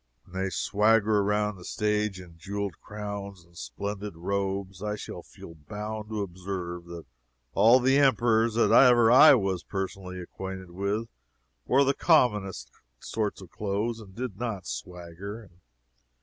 When they swagger around the stage in jeweled crowns and splendid robes, I shall feel bound to observe that all the Emperors that ever I was personally acquainted with wore the commonest sort of clothes, and did not swagger.